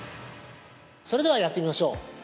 ◆それでは、やってみましょう。